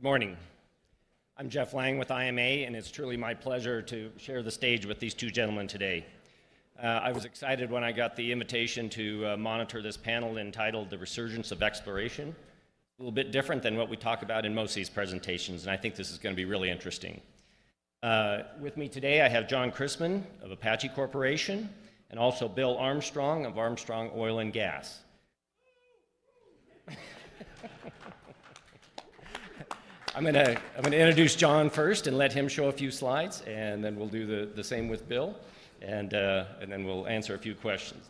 Good morning. I'm Jeff Lang with IMA, and it's truly my pleasure to share the stage with these two gentlemen today. I was excited when I got the invitation to moderate this panel entitled The Resurgence of Exploration, a little bit different than what we talk about in most of these presentations. I think this is going to be really interesting. With me today, I have John Christmann of Apache Corporation and also Bill Armstrong of Armstrong Oil & Gas. I'm going to introduce John first and let him show a few slides, and then we'll do the same with Bill, and then we'll answer a few questions.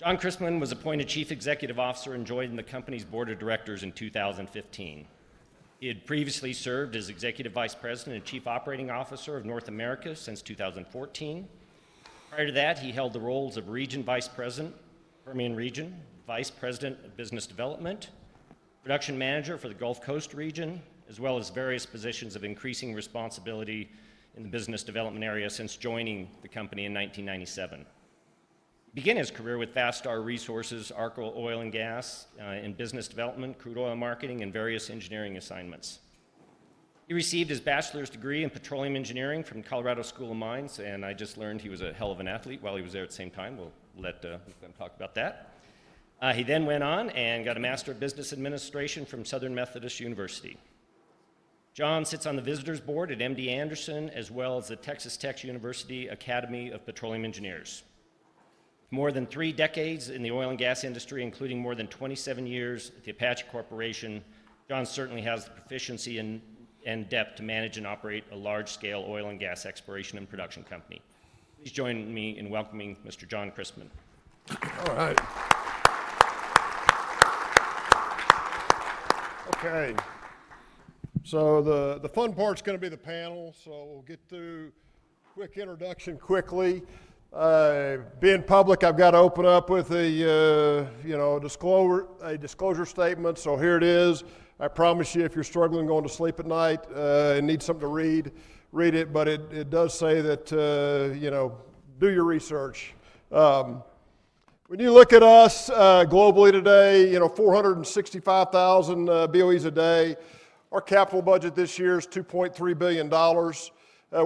John Christmann was appointed Chief Executive Officer and joined the company's board of directors in 2015. He had previously served as Executive Vice President and Chief Operating Officer of North America since 2014. Prior to that, he held the roles of Region Vice President, Permian Region, Vice President of Business Development, and Production Manager for the Gulf Coast Region, as well as various positions of increasing responsibility in the business development area since joining the company in 1997. He began his career with Vastar Resources and ARCO Oil & Gas in business development, crude oil marketing, and various engineering assignments. He received his bachelor's degree in petroleum engineering from the Colorado School of Mines, and I just learned he was a hell of an athlete while he was there at the same time. We can talk about that. He then went on and got a Master of Business Administration from Southern Methodist University. John sits on the visitor's board at MD Anderson, as well as the Texas Tech University Academy of Petroleum Engineers. More than three decades in the oil and gas industry, including more than 27 years at Apache Corporation, John certainly has the proficiency and depth to manage and operate a large-scale oil and gas exploration and production company. Please join me in welcoming Mr. John Christmann. All right. Okay. The fun part's going to be the panel. We'll get through a quick introduction quickly. Being public, I've got to open up with a disclosure statement. Here it is. I promise you, if you're struggling going to sleep at night and need something to read, read it. It does say that, you know, do your research. When you look at us globally today, you know, 465,000 BOEs a day. Our capital budget this year is $2.3 billion.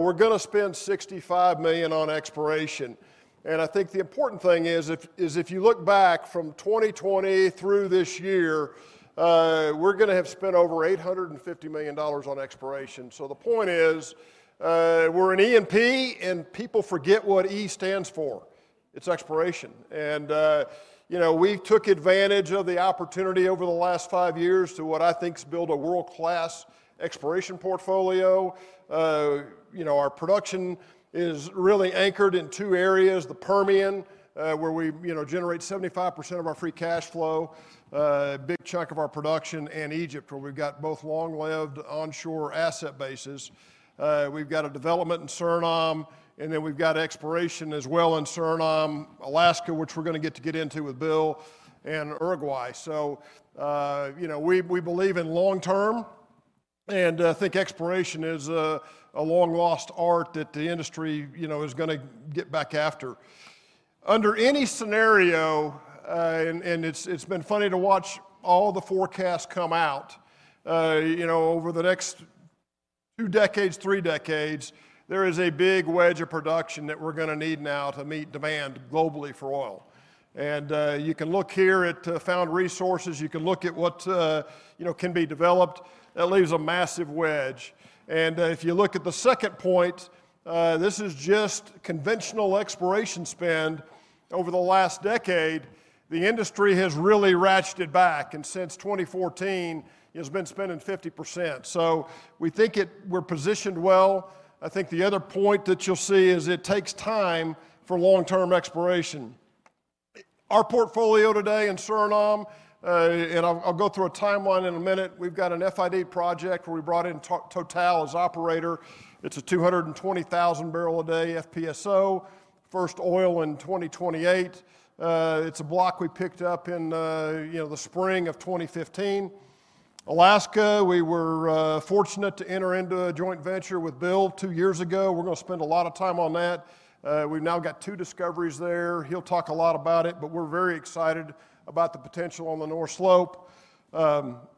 We're going to spend $65 million on exploration. I think the important thing is, if you look back from 2020 through this year, we're going to have spent over $850 million on exploration. The point is, we're an E&P, and people forget what E stands for. It's exploration. You know, we took advantage of the opportunity over the last five years to what I think is build a world-class exploration portfolio. Our production is really anchored in two areas: the Permian, where we, you know, generate 75% of our free cash flow, a big chunk of our production, and Egypt, where we've got both long-lived onshore asset bases. We've got a development in Suriname, and then we've got exploration as well in Suriname, Alaska, which we're going to get into with Bill, and Uruguay. We believe in long term, and I think exploration is a long-lost art that the industry, you know, is going to get back after. Under any scenario, it's been funny to watch all the forecasts come out, you know, over the next two decades, three decades, there is a big wedge of production that we're going to need now to meet demand globally for oil. You can look here at found resources. You can look at what, you know, can be developed. That leaves a massive wedge. If you look at the second point, this is just conventional exploration spend. Over the last decade, the industry has really ratcheted back, and since 2014, it's been spending 50%. We think we're positioned well. I think the other point that you'll see is it takes time for long-term exploration. Our portfolio today in Suriname, and I'll go through a timeline in a minute, we've got an FID project where we brought in Total as operator. It's a 220,000-barrel-a-day FPSO, first oil in 2028. It's a block we picked up in, you know, the spring of 2015. Alaska, we were fortunate to enter into a joint venture with Bill two years ago. We're going to spend a lot of time on that. We've now got two discoveries there. He'll talk a lot about it, but we're very excited about the potential on the North Slope.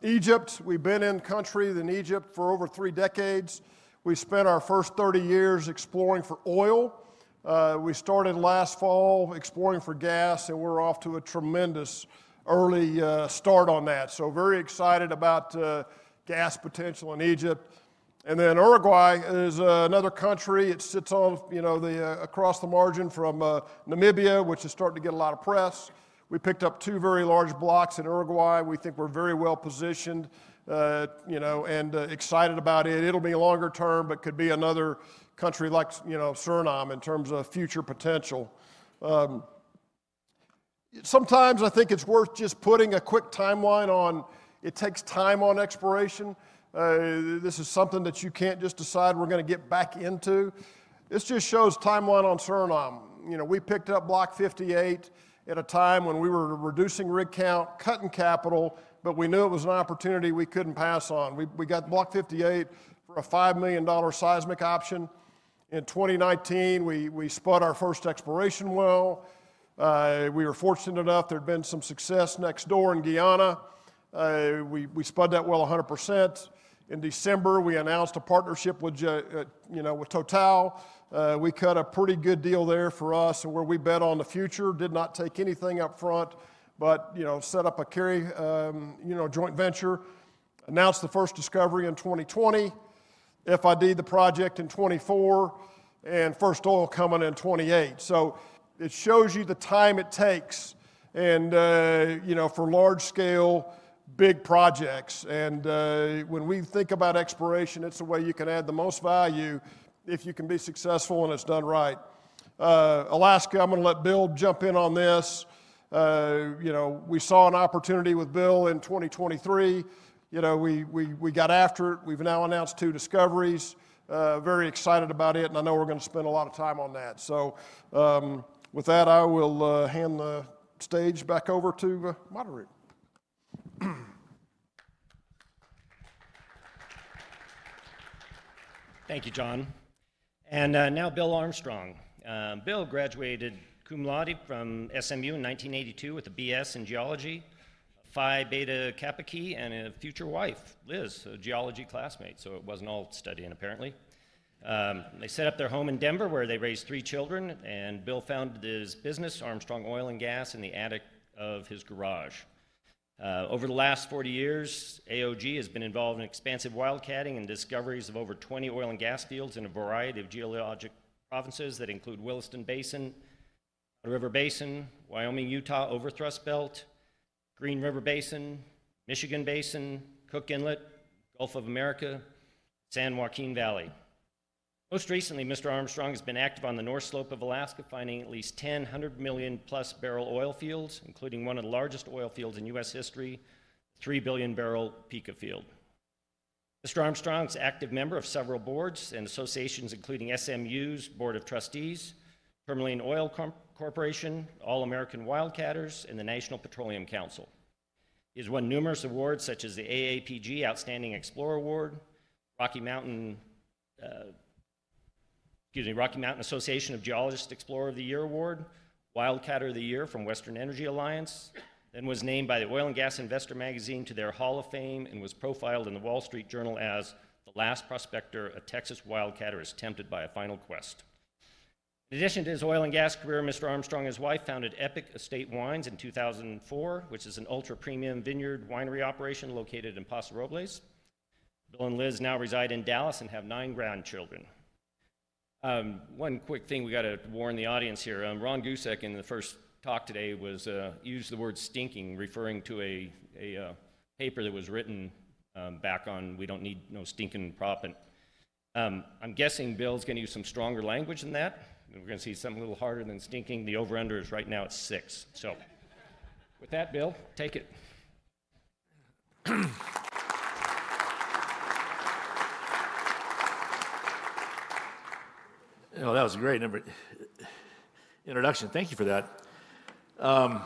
Egypt, we've been in the country in Egypt for over three decades. We spent our first 30 years exploring for oil. We started last fall exploring for gas, and we're off to a tremendous early start on that. Very excited about gas potential in Egypt. Uruguay is another country. It sits off, you know, across the margin from Namibia, which is starting to get a lot of press. We picked up two very large blocks in Uruguay. We think we're very well positioned, you know, and excited about it. It'll be longer term, but could be another country like, you know, Suriname in terms of future potential. Sometimes I think it's worth just putting a quick timeline on. It takes time on exploration. This is something that you can't just decide we're going to get back into. This just shows timeline on Suriname. We picked up Block 58 at a time when we were reducing rig count, cutting capital, but we knew it was an opportunity we couldn't pass on. We got Block 58 for a $5 million seismic option. In 2019, we spun our first exploration well. We were fortunate enough there'd been some success next door in Guyana. We spun that well 100%. In December, we announced a partnership with Total. We cut a pretty good deal there for us where we bet on the future. Did not take anything up front, but, you know, set up a carry, you know, joint venture. Announced the first discovery in 2020. FID the project in 2024 and first oil coming in 2028. It shows you the time it takes, and you know, for large-scale big projects. When we think about exploration, it's the way you can add the most value if you can be successful and it's done right. Alaska, I'm going to let Bill jump in on this. We saw an opportunity with Bill in 2023. We got after it. We've now announced two discoveries. Very excited about it, and I know we're going to spend a lot of time on that. With that, I will hand the stage back over to the moderator. Thank you, John. Now Bill Armstrong. Bill graduated cum laude from SMU in 1982 with a B.S. in geology, a Phi Beta Kappa key, and a future wife, Liz, a geology classmate. It wasn't all studying, apparently. They set up their home in Denver, where they raised three children, and Bill founded his business, Armstrong Oil & Gas, in the attic of his garage. Over the last 40 years, AOG has been involved in expansive wildcatting and discoveries of over 20 oil and gas fields in a variety of geologic provinces that include Williston Basin, Green River Basin, Wyoming, Utah, Overthrust Belt, Green River Basin, Michigan Basin, Cook Inlet, Gulf of Mexico, and San Joaquin Valley. Most recently, Mr. Armstrong has been active on the North Slope of Alaska, finding at least 10 100+ million barrel oil fields, including one of the largest oil fields in U.S. history, the 3 billion barrel Pikka field. Mr. Armstrong is an active member of several boards and associations, including SMU's Board of Trustees, Permian Oil Corporation, All-American Wildcatters, and the National Petroleum Council. He has won numerous awards, such as the AAPG Outstanding Explorer Award, Rocky Mountain Association of Geologists Explorer of the Year Award, Wildcatter of the Year from Western Energy Alliance, and was named by Oil and Gas Investor Magazine to their Hall of Fame and was profiled in The Wall Street Journal as the last prospector, a Texas wildcatter is tempted by a final quest. In addition to his oil and gas career, Mr. Armstrong and his wife founded Epoch Estate Wines in 2004, which is an ultra-premium vineyard winery operation located in Paso Robles. Bill and Liz now reside in Dallas and have nine grandchildren. One quick thing, we got to warn the audience here. Ron Gusek in the first talk today used the word stinking, referring to a paper that was written back on We Don't Need No Stinking Propent. I'm guessing Bill's going to use some stronger language than that. We're going to see something a little harder than stinking. The over-under is right now at six. With that, Bill, take it. Oh, that was a great introduction. Thank you for that. I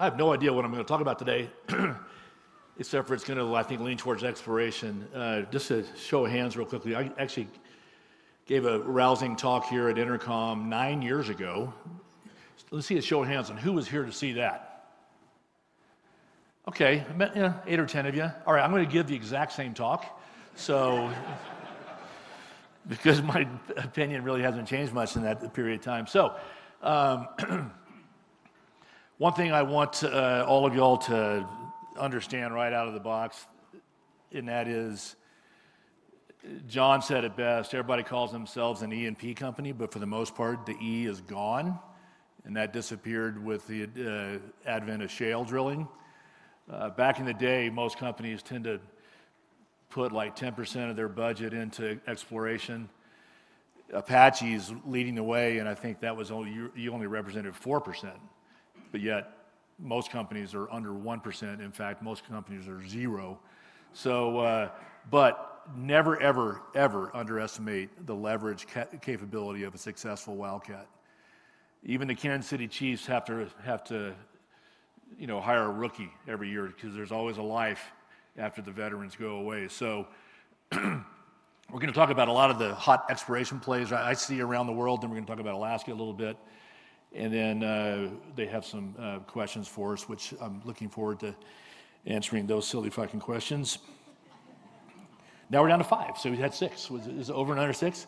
have no idea what I'm going to talk about today, except for it's going to, I think, lean towards exploration. Just a show of hands real quickly, I actually gave a rousing talk here at Intercom nine years ago. Let's see a show of hands on who was here to see that. Okay. I met eight or ten of you. All right. I'm going to give the exact same talk because my opinion really hasn't changed much in that period of time. One thing I want all of y'all to understand right out of the box, and that is, John said it best, everybody calls themselves an E&P company, but for the most part, the E is gone, and that disappeared with the advent of shale drilling. Back in the day, most companies tend to put like 10% of their budget into exploration. Apache is leading the way, and I think that was only you only represented 4%. Yet, most companies are under 1%. In fact, most companies are zero. Never, ever, ever underestimate the leverage capability of a successful wildcat. Even the Kansas City Chiefs have to, you know, hire a rookie every year because there's always a life after the veterans go away. We're going to talk about a lot of the hot exploration plays I see around the world. We're going to talk about Alaska a little bit. They have some questions for us, which I'm looking forward to answering those silly fucking questions. Now we're down to five. We had six. Is it over and under six?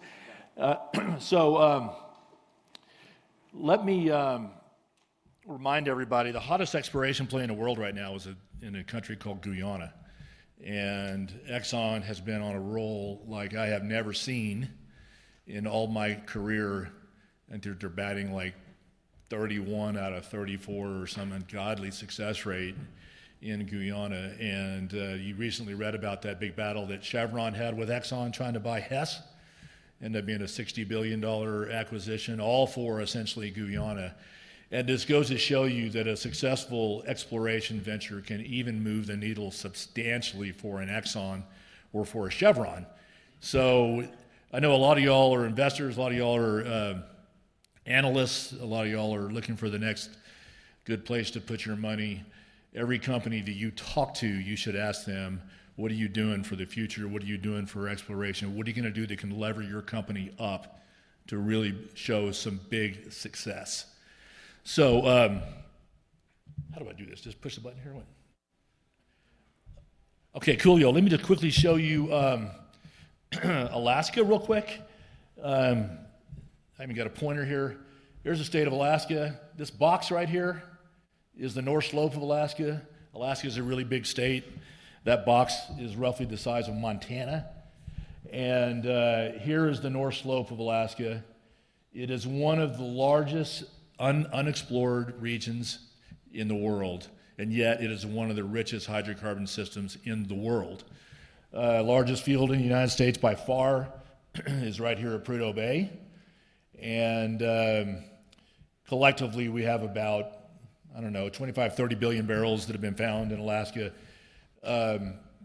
Let me remind everybody, the hottest exploration play in the world right now is in a country called Guyana. Exxon has been on a roll like I have never seen in all my career, and they're batting like 31 out of 34 or some ungodly success rate in Guyana. You recently read about that big battle that Chevron had with Exxon trying to buy Hess, and there being a $60 billion acquisition, all for essentially Guyana. This goes to show you that a successful exploration venture can even move the needle substantially for an Exxon or for a Chevron. I know a lot of y'all are investors, a lot of y'all are analysts, a lot of y'all are looking for the next good place to put your money. Every company that you talk to, you should ask them, what are you doing for the future? What are you doing for exploration? What are you going to do that can lever your company up to really show some big success? How do I do this? Just push the button here? Okay, cool, y'all. Let me just quickly show you Alaska real quick. I haven't got a pointer here. There's the state of Alaska. This box right here is the North Slope of Alaska. Alaska is a really big state. That box is roughly the size of Montana. Here is the North Slope of Alaska. It is one of the largest unexplored regions in the world, yet it is one of the richest hydrocarbon systems in the world. The largest field in the United States by far is right here at Prudhoe Bay. Collectively, we have about, I don't know, 25 billion, 30 billion barrels that have been found in Alaska.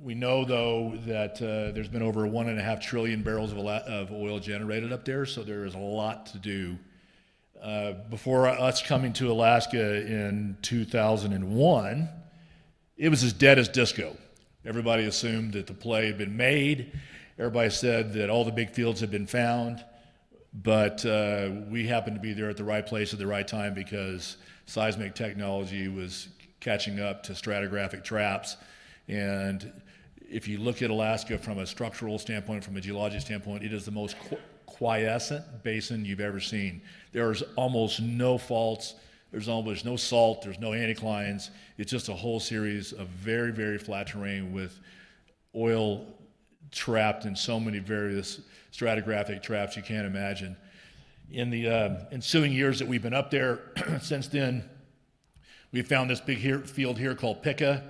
We know, though, that there's been over 1.5 trillion barrels of oil generated up there. There is a lot to do. Before us coming to Alaska in 2001, it was as dead as disco. Everybody assumed that the play had been made. Everybody said that all the big fields had been found. We happened to be there at the right place at the right time because seismic technology was catching up to stratigraphic traps. If you look at Alaska from a structural standpoint, from a geologic standpoint, it is the most quiescent basin you've ever seen. There are almost no faults. There's almost no salt. There's no anticlines. It's just a whole series of very, very flat terrain with oil trapped in so many various stratigraphic traps you can't imagine. In the ensuing years that we've been up there, since then, we've found this big field here called Pikka,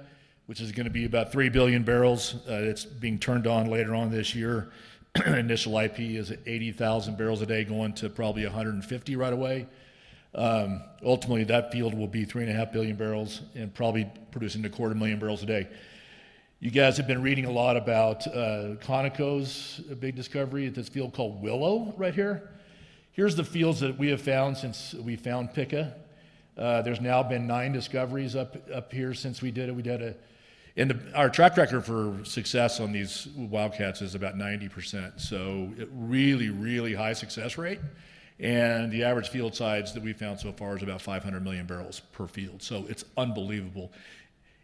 which is going to be about 3 billion barrels. It's being turned on later on this year. Our initial IP is at 80,000 barrels a day, going to probably 150,000 right away. Ultimately, that field will be 3.5 billion barrels and probably producing a quarter million barrels a day. You guys have been reading a lot about Conoco's big discovery. It's this field called Willow right here. Here are the fields that we have found since we found Pikka. There's now been nine discoveries up here since we did it. We did it. Our track record for success on these wildcat wells is about 90%. A really, really high success rate. The average field size that we found so far is about 500 million barrels per field. It's unbelievable.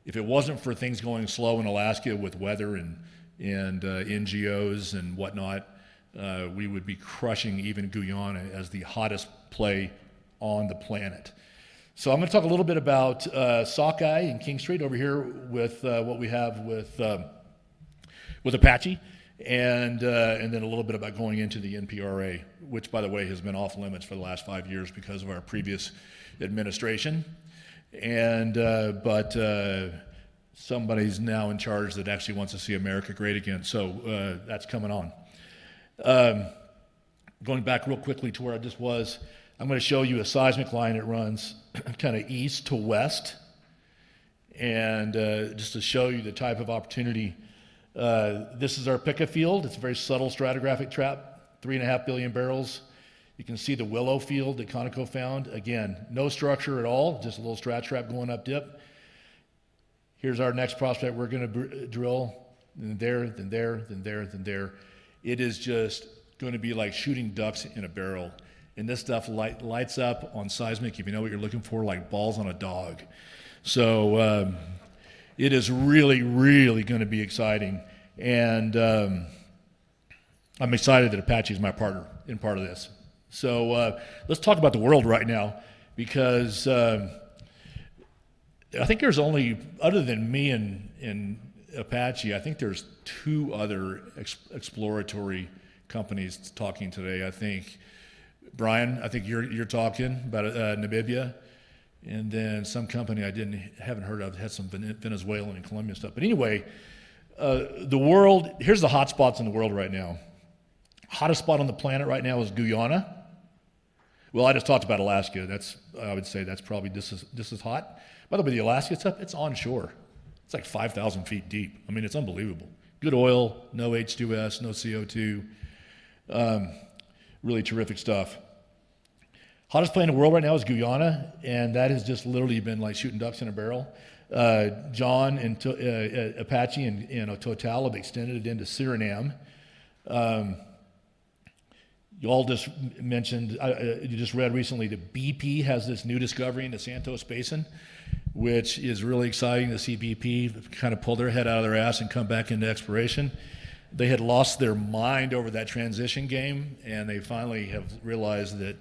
If it wasn't for things going slow in Alaska with weather and NGOs and whatnot, we would be crushing even Guyana as the hottest play on the planet. I'm going to talk a little bit about Sockeye and King Street over here with what we have with Apache, and then a little bit about going into the NPRA, which, by the way, has been off-limits for the last five years because of our previous administration. Somebody's now in charge that actually wants to see America great again. That's coming on. Going back real quickly to where I just was, I'm going to show you a seismic line that runs kind of east to west, just to show you the type of opportunity. This is our Pikka field. It's a very subtle stratigraphic trap, 3.5 billion barrels. You can see the Willow field that Conoco found. Again, no structure at all, just a little strat trap going up dip. Here's our next prospect we're going to drill. Then there, then there, then there, then there. It is just going to be like shooting ducks in a barrel. This stuff lights up on seismic, if you know what you're looking for, like balls on a dog. It is really, really going to be exciting. I'm excited that Apache is my partner in part of this. Let's talk about the world right now because I think there's only, other than me and Apache, I think there's two other exploratory companies talking today. Brian, I think you're talking about Namibia, and then some company I haven't heard of has some Venezuelan and Colombian stuff. Anyway, the world, here's the hot spots in the world right now. Hottest spot on the planet right now is Guyana. I just talked about Alaska. I would say that's probably, this is hot. By the way, the Alaska stuff, it's onshore. It's like 5,000 ft deep. I mean, it's unbelievable. Good oil, no H2S, no CO2. Really terrific stuff. Hottest play in the world right now is Guyana, and that has just literally been like shooting ducks in a barrel. John and Apache and Total have extended it into Suriname. You all just mentioned, you just read recently that BP has this new discovery in the Santos Basin, which is really exciting to see BP kind of pull their head out of their ass and come back into exploration. They had lost their mind over that transition game, and they finally have realized that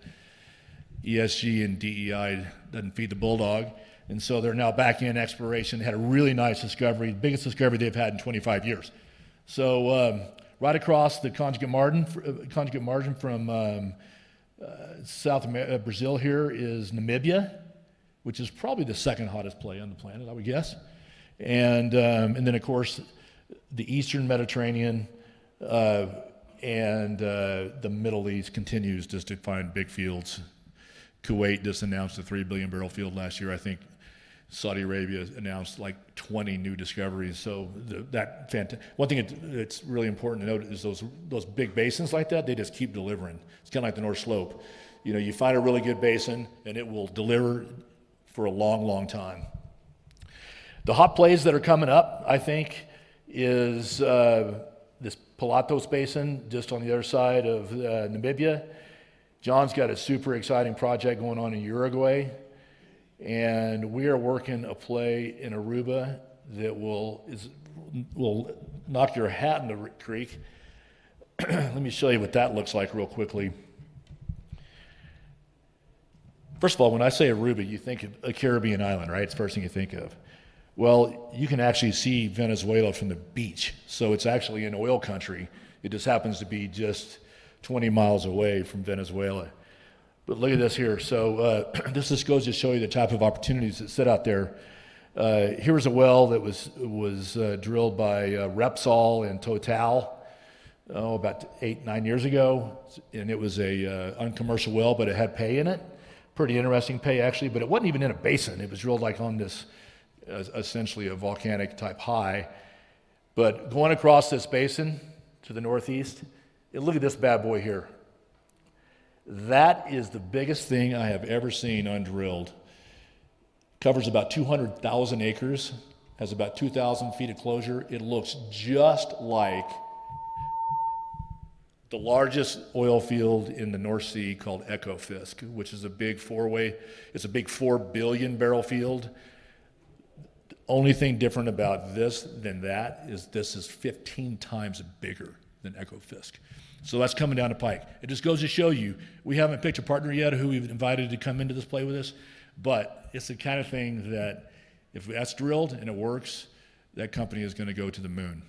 ESG and DEI doesn't feed the bulldog. They're now back in exploration. Had a really nice discovery, the biggest discovery they've had in 25 years. Right across the conjugate margin from South America Brazil here is Namibia, which is probably the second hottest play on the planet, I would guess. Of course, the Eastern Mediterranean and the Middle East continue to find big fields. Kuwait just announced a 3 billion barrel field last year. I think Saudi Arabia announced like 20 new discoveries. That is fantastic. One thing that's really important to note is those big basins like that just keep delivering. It's kind of like the North Slope. You find a really good basin, and it will deliver for a long, long time. The hot plays that are coming up, I think, is this Pilatos Basin just on the other side of Namibia. John's got a super exciting project going on in Uruguay, and we are working a play in Aruba that will knock your hat in the creek. Let me show you what that looks like real quickly. First of all, when I say Aruba, you think of a Caribbean island, right? It's the first thing you think of. You can actually see Venezuela from the beach. It's actually an oil country. It just happens to be just 20 mi away from Venezuela. Look at this here. This just goes to show you the type of opportunities that sit out there. Here was a well that was drilled by Repsol and Total, about eight, nine years ago. It was an uncommercial well, but it had pay in it. Pretty interesting pay, actually. It wasn't even in a basin. It was drilled on essentially a volcanic type high. Going across this basin to the northeast, look at this bad boy here. That is the biggest thing I have ever seen undrilled. Covers about 200,000 acres, has about 2,000 ft of closure. It looks just like the largest oil field in the North Sea called Ekofisk, which is a big four-way, it's a big 4 billion barrel field. The only thing different about this than that is this is 15x bigger than Ekofisk. That's coming down the pike. It just goes to show you, we haven't picked a partner yet who we've invited to come into this play with us. It's the kind of thing that if that's drilled and it works, that company is going to go to the moon.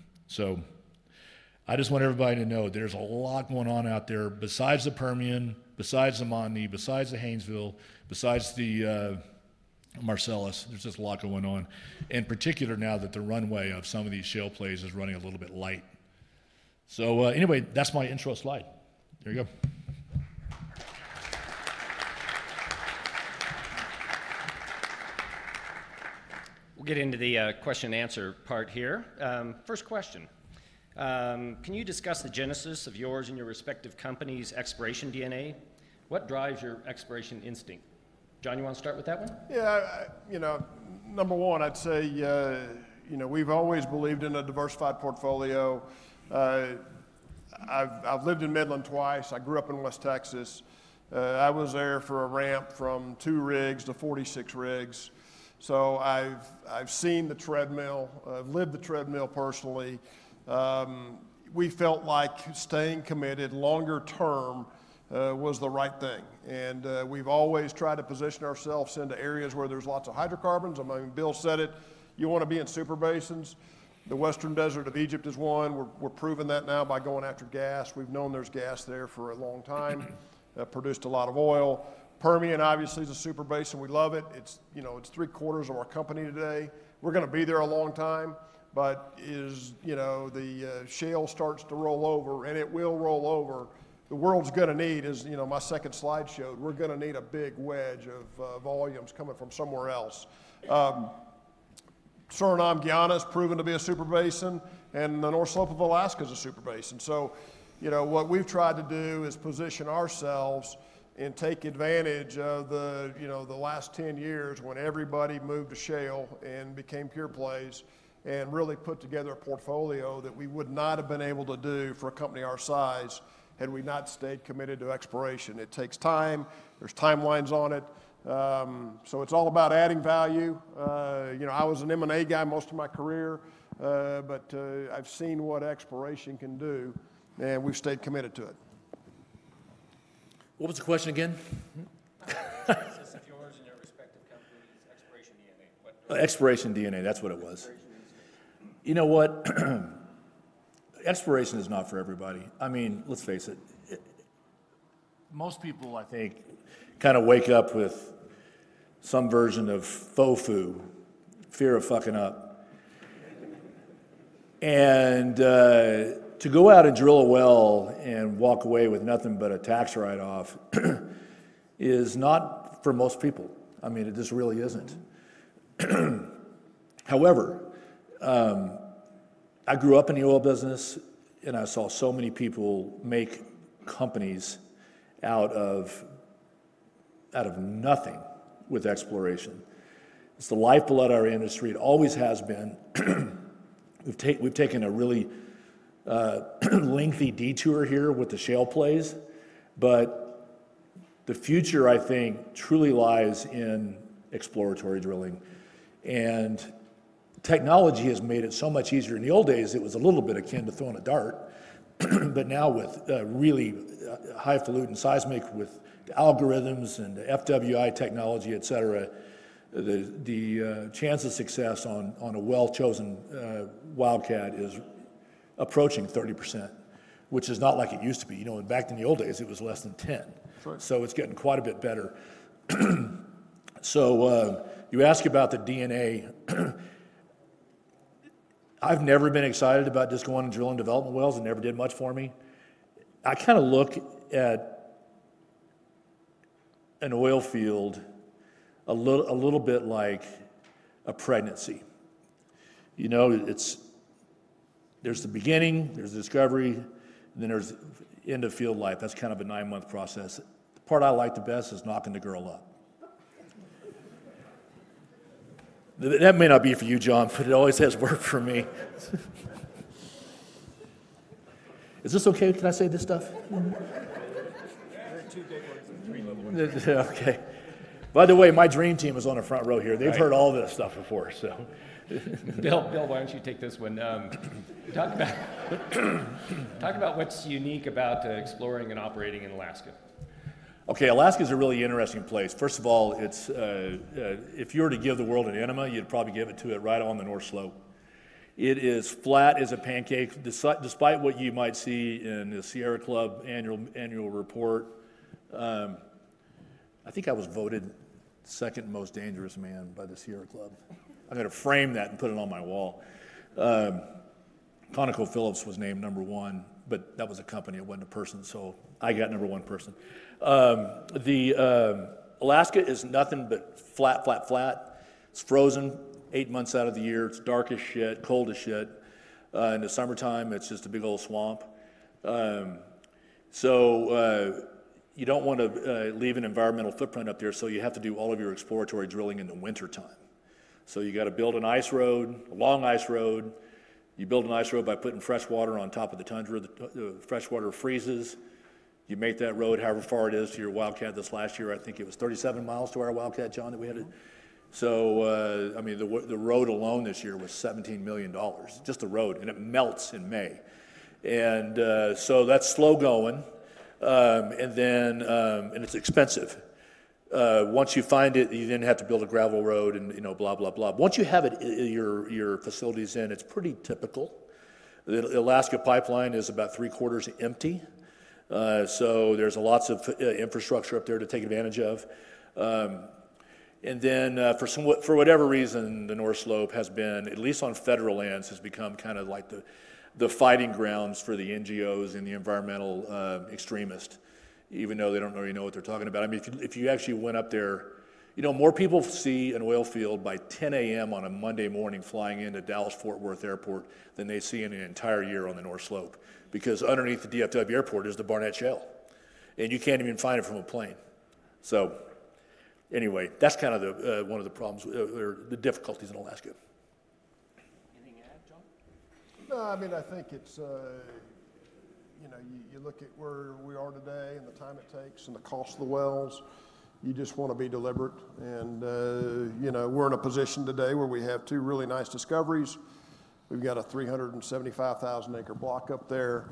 I just want everybody to know there's a lot going on out there besides the Permian, besides the [Maune], besides the Haynesville, besides the Marcellus. There's just a lot going on, in particular now that the runway of some of these shale plays is running a little bit light. Anyway, that's my intro slide. There you go. We'll get into the question and answer part here. First question: Can you discuss the genesis of yours and your respective company's exploration DNA? What drives your exploration instinct? John, you want to start with that one? Yeah. You know, number one, I'd say we've always believed in a diversified portfolio. I've lived in Midland twice. I grew up in West Texas. I was there for a ramp from two rigs to 46 rigs. I've seen the treadmill, I've lived the treadmill personally. We felt like staying committed longer term was the right thing. We've always tried to position ourselves into areas where there's lots of hydrocarbons. Bill said it. You want to be in super basins. The Western Desert of Egypt is one. We're proving that now by going after gas. We've known there's gas there for a long time. Produced a lot of oil. Permian, obviously, is a super basin. We love it. It's three quarters of our company today. We're going to be there a long time. As the shale starts to roll over, and it will roll over, the world's going to need, as you know, my second slide showed, we're going to need a big wedge of volumes coming from somewhere else. Suriname, Guyana is proving to be a super basin, and the North Slope of Alaska is a super basin. What we've tried to do is position ourselves and take advantage of the last 10 years when everybody moved to shale and became pure plays and really put together a portfolio that we would not have been able to do for a company our size had we not stayed committed to exploration. It takes time. There's timelines on it. It's all about adding value. I was an M&A guy most of my career, but I've seen what exploration can do, and we've stayed committed to it. What was the question again? It's just yours and your respective company, it's exploration “DNA.” Exploration DNA, that's what it was. You know what? Exploration is not for everybody. I mean, let's face it. Most people, I think, kind of wake up with some version of faux foo, fear of fucking up. To go out and drill a well and walk away with nothing but a tax write-off is not for most people. It just really isn't. However, I grew up in the oil business, and I saw so many people make companies out of nothing with exploration. It's the lifeblood of our industry. It always has been. We've taken a really lengthy detour here with the shale plays, but the future, I think, truly lies in exploratory drilling. Technology has made it so much easier. In the old days, it was a little bit akin to throwing a dart. Now, with really highfalutin seismic, with algorithms and FWI technology, etc., the chance of success on a well-chosen wildcat is approaching 30%, which is not like it used to be. Back in the old days, it was less than 10%. It's getting quite a bit better. You ask about the DNA. I've never been excited about just going and drilling development wells. It never did much for me. I kind of look at an oil field a little bit like a pregnancy. There's the beginning, there's the discovery, and then there's the end of field life. That's kind of a nine-month process. The part I like the best is knocking the girl up. That may not be for you, John, but it always has worked for me. Is this okay? Did I say this stuff? Two good ones and three little ones. Okay. By the way, my dream team is on the front row here. They've heard all this stuff before. Bill, why don't you take this one? Talk about what's unique about exploring and operating in Alaska. Okay. Alaska is a really interesting place. First of all, if you were to give the world an enema, you'd probably give it to it right on the North Slope. It is flat as a pancake, despite what you might see in the Sierra Club annual report. I think I was voted second most dangerous man by the Sierra Club. I'm going to frame that and put it on my wall. ConocoPhillips was named number one, but that was a company. It wasn't a person. I got number one person. Alaska is nothing but flat, flat, flat. It's frozen eight months out of the year. It's dark as shit, cold as shit. In the summertime, it's just a big old swamp. You don't want to leave an environmental footprint up there. You have to do all of your exploratory drilling in the wintertime. You have to build an ice road, a long ice road. You build an ice road by putting fresh water on top of the tundra. The fresh water freezes. You make that road however far it is to your wildcat. This last year, I think it was 37 miles to our wildcat, John, that we had it. The road alone this year was $17 million. Just the road, and it melts in May. That's slow going, and it's expensive. Once you find it, you then have to build a gravel road and, you know, blah, blah, blah. Once you have your facilities in, it's pretty typical. The Alaska pipeline is about three quarters empty. There's lots of infrastructure up there to take advantage of. For whatever reason, the North Slope has been, at least on federal lands, kind of like the fighting grounds for the NGOs and the environmental extremists, even though they don't really know what they're talking about. If you actually went up there, more people see an oil field by 10:00 A.M. on a Monday morning flying into Dallas-Fort Worth Airport than they see in an entire year on the North Slope because underneath the DFW Airport is the Barnett Shale, and you can't even find it from a plane. That's kind of one of the problems or the difficulties in Alaska. Anything to add, John? I think it's, you know, you look at where we are today and the time it takes and the cost of the wells. You just want to be deliberate. We're in a position today where we have two really nice discoveries. We've got a 375,000-acre block up there.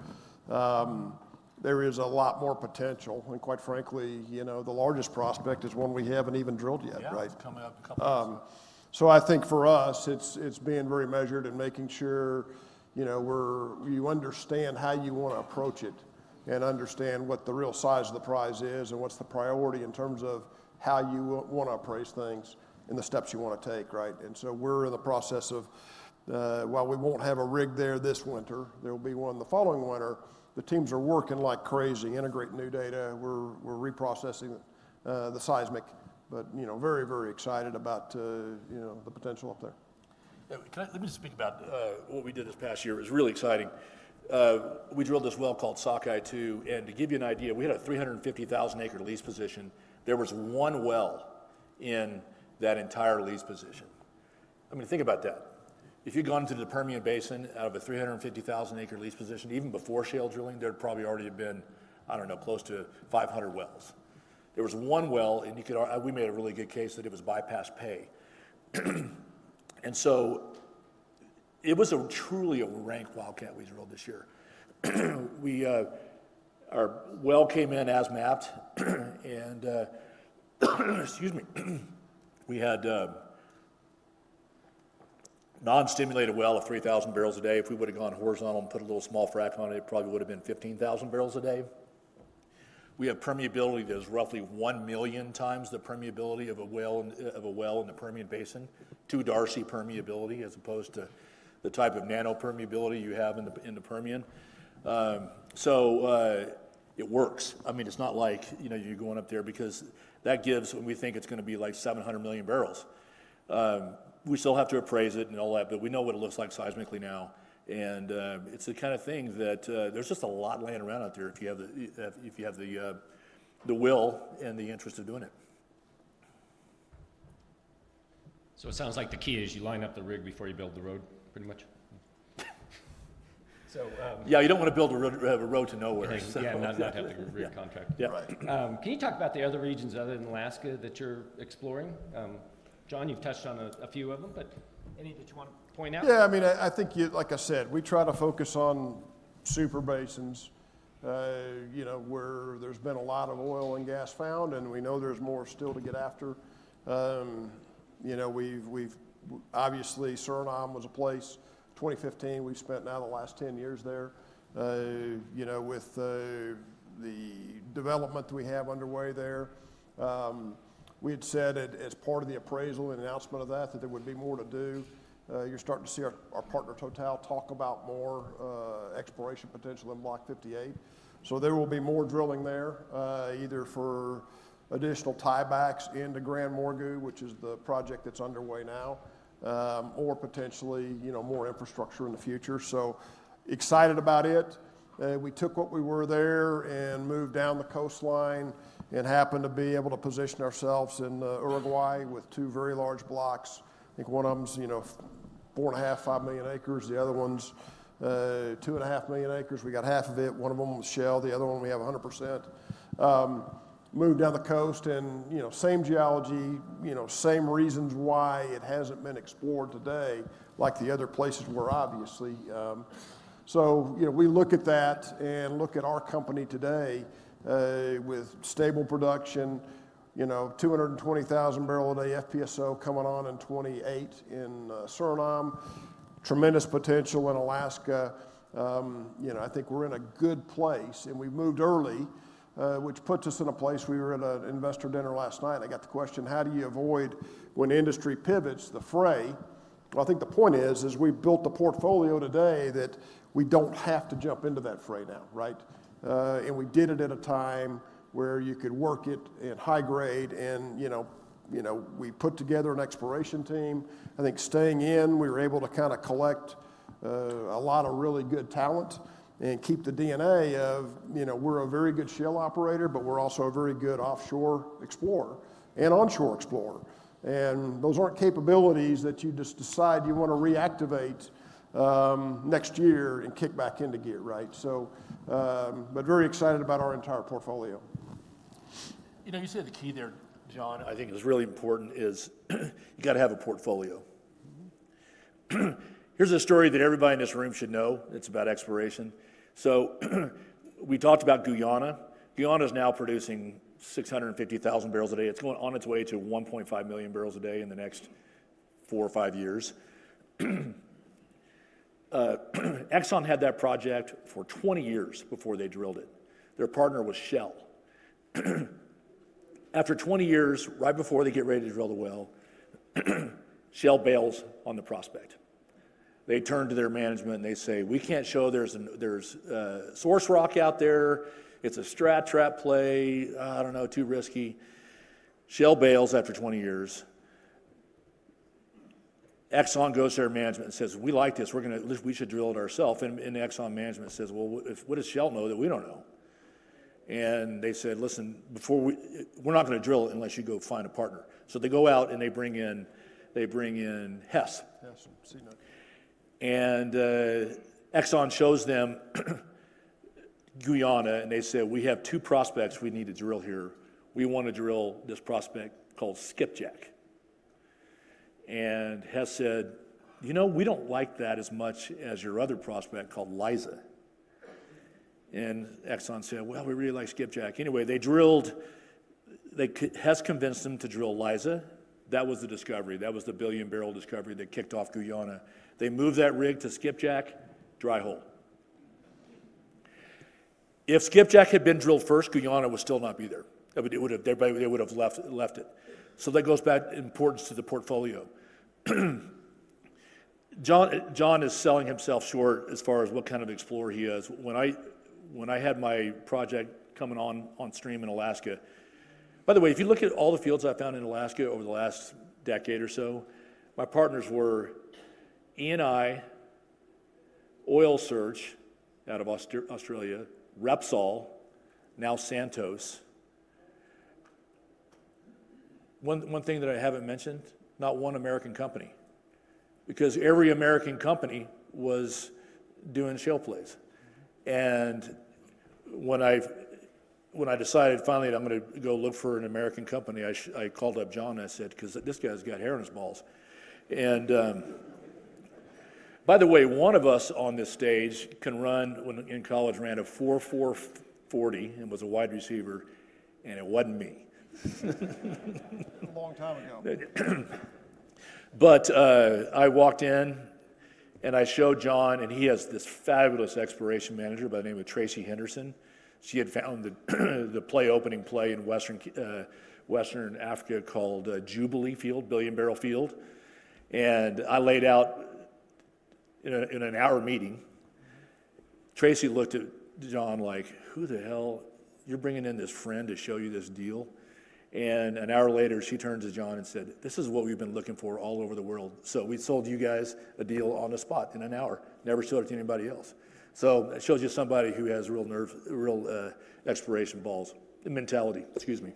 There is a lot more potential. Quite frankly, the largest prospect is one we haven't even drilled yet, right? Yeah, it's coming up. I think for us, it's being very measured and making sure you understand how you want to approach it and understand what the real size of the prize is and what's the priority in terms of how you want to appraise things and the steps you want to take, right? We're in the process of, we won't have a rig there this winter. There will be one the following winter. The teams are working like crazy, integrating new data. We're reprocessing the seismic, but very, very excited about the potential up there. Yeah. Let me just speak about what we did this past year. It was really exciting. We drilled this well called Sockeye-2. To give you an idea, we had a 350,000-acre lease position. There was one well in that entire lease position. I mean, think about that. If you'd gone into the Permian Basin out of a 350,000-acre lease position, even before shale drilling, there'd probably already have been, I don't know, close to 500 wells. There was one well, and we made a really good case that it was bypass pay. It was truly a rank wildcat we drilled this year. Our well came in as mapped. Excuse me, we had a non-stimulated well of 3,000 barrels a day. If we would have gone horizontal and put a little small frack on it, it probably would have been 15,000 barrels a day. We have permeability that is roughly 1 million times the permeability of a well in the Permian Basin, 2-Darcy permeability as opposed to the type of nano-permeability you have in the Permian. It works. I mean, it's not like, you know, you're going up there because that gives, and we think it's going to be like 700 million barrels. We still have to appraise it and all that, but we know what it looks like seismically now. It's the kind of thing that there's just a lot laying around out there if you have the will and the interest of doing it. It sounds like the key is you line up the rig before you build the road, pretty much. Yeah, you don't want to build a road to nowhere. Yeah, not have the rig contract. Right. Can you talk about the other regions other than Alaska that you're exploring? John, you've touched on a few of them, but any that you want to point out? Yeah, I mean, I think, like I said, we try to focus on super basins, you know, where there's been a lot of oil and gas found, and we know there's more still to get after. We've obviously, Suriname was a place. 2015, we've spent now the last 10 years there. With the development that we have underway there, we had said as part of the appraisal and announcement of that, that there would be more to do. You're starting to see our partner, Total, talk about more exploration potential in Block 58. There will be more drilling there, either for additional tiebacks into GranMorgu, which is the project that's underway now, or potentially more infrastructure in the future. Excited about it. We took what we were there and moved down the coastline and happened to be able to position ourselves in Uruguay with two very large blocks. I think one of them's, you know, 4.5 million, 5 million acres. The other one's 2.5 million acres. We got half of it. One of them was Shell. The other one, we have 100%. Moved down the coast and, you know, same geology, same reasons why it hasn't been explored today, like the other places were obviously. We look at that and look at our company today with stable production, 220,000 barrel a day FPSO coming on in 2028 in Suriname. Tremendous potential in Alaska. I think we're in a good place, and we've moved early, which puts us in a place. We were at an investor dinner last night. I got the question, how do you avoid, when industry pivots, the fray? I think the point is, is we built the portfolio today that we don't have to jump into that fray now, right? We did it at a time where you could work it in high grade. We put together an exploration team. I think staying in, we were able to kind of collect a lot of really good talent and keep the DNA of, you know, we're a very good shale operator, but we're also a very good offshore explorer and onshore explorer. Those aren't capabilities that you just decide you want to reactivate next year and kick back into gear, right? Very excited about our entire portfolio. You know, you said the key there, John, I think it was really important is you got to have a portfolio. Here's a story that everybody in this room should know. It's about exploration. We talked about Guyana. Guyana is now producing 650,000 barrels a day. It's on its way to 1.5 million barrels a day in the next four or five years. Exxon had that project for 20 years before they drilled it. Their partner was Shell. After 20 years, right before they get ready to drill the well, Shell bails on the prospect. They turn to their management and they say, "We can't show there's a source rock out there. It's a strat trap play. I don't know, too risky." Shell bails after 20 years. Exxon goes to their management and says, "We like this. We should drill it ourselves." Exxon management says, "What does Shell know that we don't know?" They said, "Listen, we're not going to drill it unless you go find a partner." They go out and they bring in Hess. Exxon shows them Guyana, and they say, "We have two prospects we need to drill here. We want to drill this prospect called Skipjack." Hess said, "We don't like that as much as your other prospect called Liza." Exxon said, "We really like Skipjack." Anyway, they drilled. Hess convinced them to drill Liza. That was the discovery. That was the billion-barrel discovery that kicked off Guyana. They moved that rig to Skipjack, dry hole. If Skipjack had been drilled first, Guyana would still not be there. They would have left it. That goes back in importance to the portfolio. John is selling himself short as far as what kind of explorer he is. When I had my project coming on stream in Alaska, by the way, if you look at all the fields I found in Alaska over the last decade or so, my partners were ENI, Oil Search out of Australia, Repsol, now Santos. One thing that I haven't mentioned, not one American company, because every American company was doing shale plays. When I decided finally that I'm going to go look for an American company, I called up John and I said, "Because this guy's got hair in his balls." By the way, one of us on this stage can run, when in college, ran a 4-4-40 and was a wide receiver, and it wasn't me. Long time ago. I walked in and I showed John, and he has this fabulous exploration manager by the name of Tracey Henderson. She had found the play-opening play in Western Africa called Jubilee Field, billion-barrel field. I laid out in an hour meeting. Tracey looked at John like, "Who the hell? You're bringing in this friend to show you this deal?" An hour later, she turns to John and said, "This is what we've been looking for all over the world." We sold you guys a deal on the spot in an hour. Never showed it to anybody else. That shows you somebody who has real exploration balls mentality. Excuse me.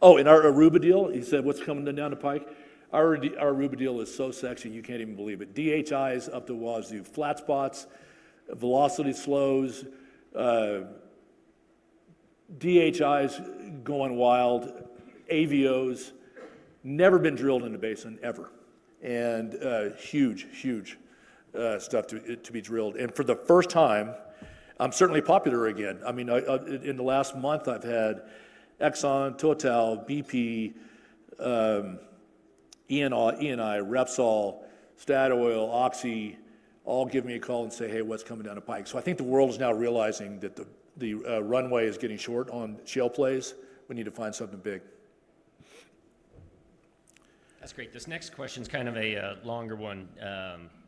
In our Aruba deal, you said what's coming down the pike? Our Aruba deal is so sexy, you can't even believe it. DHIs up the wazoo. Flat spots, velocity slows. DHIs going wild. AVOs. Never been drilled in the basin ever. Huge, huge stuff to be drilled. For the first time, I'm certainly popular again. In the last month, I've had Exxon, Total, BP, ENI, Repsol, Statoil, Oxy all give me a call and say, "Hey, what's coming down the pike?" I think the world is now realizing that the runway is getting short on shale plays. We need to find something big. That's great. This next question is kind of a longer one,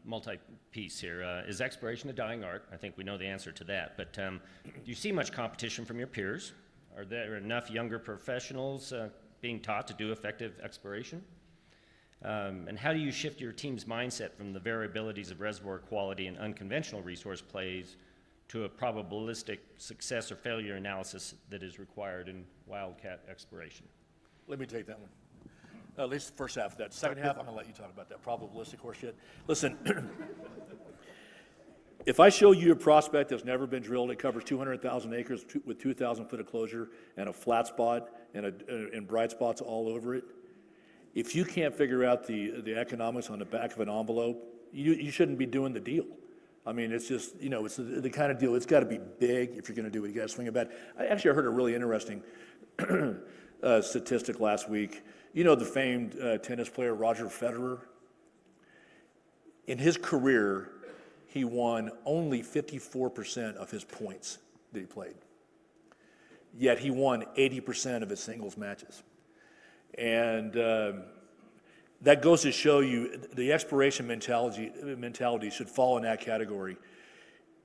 multi-piece here. Is exploration a dying art? I think we know the answer to that. Do you see much competition from your peers? Are there enough younger professionals being taught to do effective exploration? How do you shift your team's mindset from the variabilities of reservoir quality and unconventional resource plays to a probabilistic success or failure analysis that is required in wildcat exploration? Let me take that one. At least the first half of that. The second half, I'm going to let you talk about that probabilistic horseshit. Listen, if I show you a prospect that's never been drilled, it covers 200,000 acres with 2,000 foot of closure and a flat spot and bright spots all over it. If you can't figure out the economics on the back of an envelope, you shouldn't be doing the deal. I mean, it's just, you know, it's the kind of deal it's got to be big if you're going to do it. You got to swing a bet. Actually, I heard a really interesting statistic last week. You know, the famed tennis player, Roger Federer? In his career, he won only 54% of his points that he played. Yet he won 80% of his singles matches. That goes to show you the exploration mentality should fall in that category.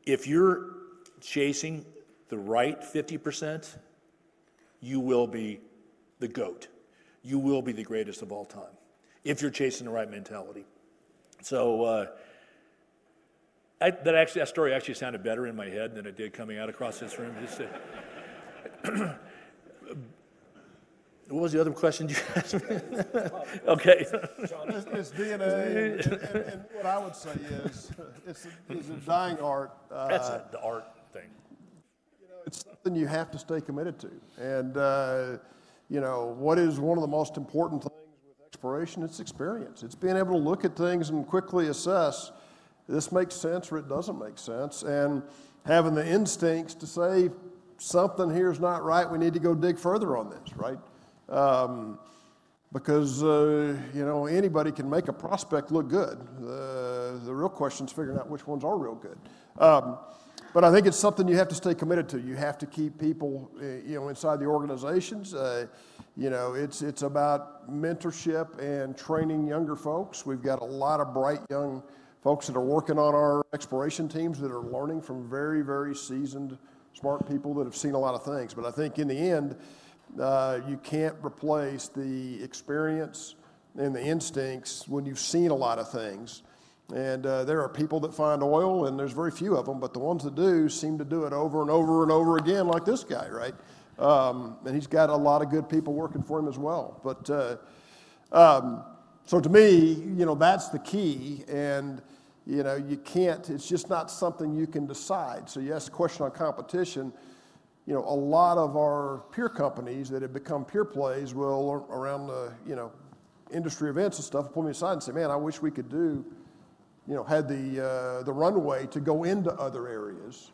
If you're chasing the right 50%, you will be the GOAT. You will be the greatest of all time if you're chasing the right mentality. That story actually sounded better in my head than it did coming out across this room. What was the other question you asked me? Okay. It's exploration “DNA,” and what I would say is, it's a dying art. That's an art thing. You know, it's something you have to stay committed to. What is one of the most important things with exploration? It's experience. It's being able to look at things and quickly assess, this makes sense or it doesn't make sense. Having the instincts to say, something here is not right. We need to go dig further on this, right? Anybody can make a prospect look good. The real question is figuring out which ones are real good. I think it's something you have to stay committed to. You have to keep people inside the organizations. It's about mentorship and training younger folks. We've got a lot of bright young folks that are working on our exploration teams that are learning from very, very seasoned, smart people that have seen a lot of things. I think in the end, you can't replace the experience and the instincts when you've seen a lot of things. There are people that find oil, and there's very few of them, but the ones that do seem to do it over and over and over again, like this guy, right? He's got a lot of good people working for him as well. To me, that's the key. You can't, it's just not something you can decide. Yes, question on competition. A lot of our peer companies that have become pure plays will, around the industry events and stuff, pull me aside and say, "Man, I wish we could do, you know, had the runway to go into other areas."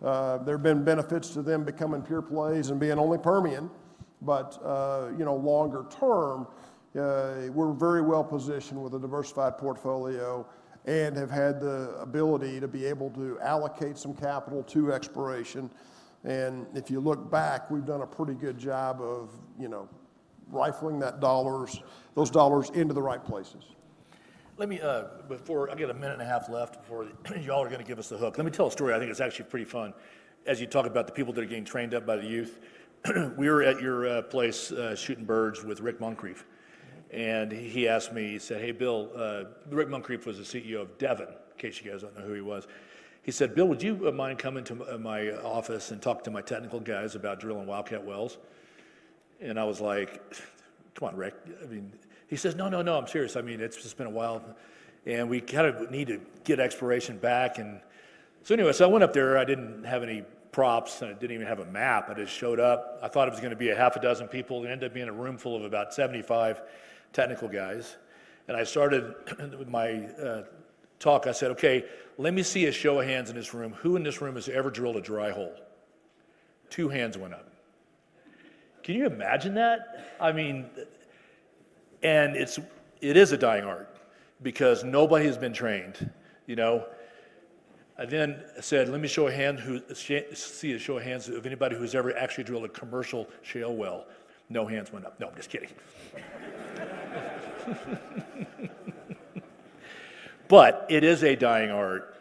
There have been benefits to them becoming pure plays and being only Permian. Longer term, we're very well positioned with a diversified portfolio and have had the ability to be able to allocate some capital to exploration. If you look back, we've done a pretty good job of rifling those dollars into the right places. Let me. I've got a minute and a half left before you all are going to give us a hook. Let me tell a story I think is actually pretty fun. As you talk about the people that are getting trained up by the youth, we were at your place shooting birds with Rick Muncrieff. He asked me, he said, "Hey, Bill." Rick Muncrieff was the CEO of Devon, in case you guys don't know who he was. He said, "Bill, would you mind coming to my office and talking to my technical guys about drilling wildcat wells?" I was like, "Come on, Rick." He says, "No, no, no, I'm serious. I mean, it's just been a while. We kind of need to get exploration back." Anyway, I went up there. I didn't have any props. I didn't even have a map. I just showed up. I thought it was going to be a half a dozen people. It ended up being a room full of about 75 technical guys. I started with my talk. I said, "Okay, let me see a show of hands in this room. Who in this room has ever drilled a dry hole?" Two hands went up. Can you imagine that? It is a dying art because nobody has been trained. I then said, "Let me see a show of hands of anybody who's ever actually drilled a commercial shale well." No hands went up. No, I'm just kidding. It is a dying art.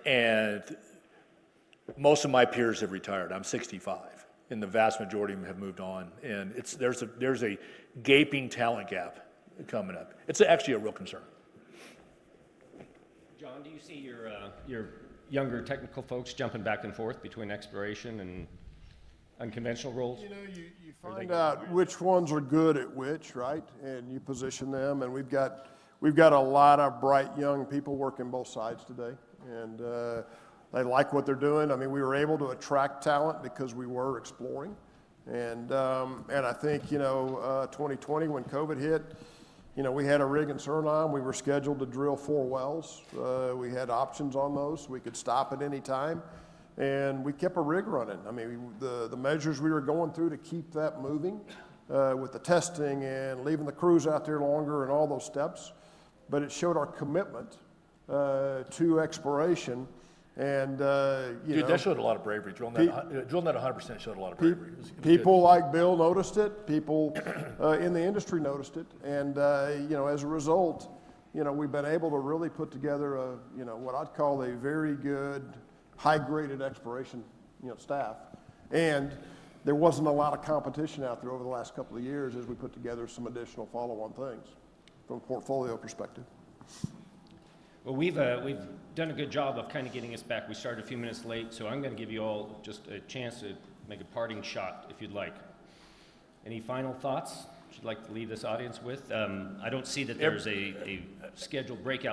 Most of my peers have retired. I'm 65, and the vast majority of them have moved on. There's a gaping talent gap coming up. It's actually a real concern. John, do you see your younger technical folks jumping back and forth between exploration and unconventional roles? You find out which ones are good at which, right? You position them. We've got a lot of bright young people working both sides today, and they like what they're doing. We were able to attract talent because we were exploring. In 2020, when COVID hit, we had a rig in Suriname. We were scheduled to drill four wells. We had options on those. We could stop at any time. We kept a rig running. The measures we were going through to keep that moving with the testing and leaving the crews out there longer and all those steps showed our commitment to exploration. That showed a lot of bravery. Drilling that 100% showed a lot of bravery. People like Bill noticed it. People in the industry noticed it. As a result, we've been able to really put together what I'd call a very good, high-graded exploration staff. There wasn't a lot of competition out there over the last couple of years as we put together some additional follow-on things from a portfolio perspective. We've done a good job of kind of getting us back. We started a few minutes late. I'm going to give you all just a chance to make a parting shot if you'd like. Any final thoughts you'd like to leave this audience with? I don't see that there's a scheduled breakup.